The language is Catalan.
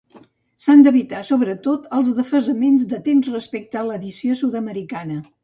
S'han d'evitar sobretot els desfasaments de temps respecte a l'edició sud-americana.